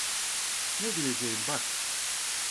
Ne diyeceğim bak.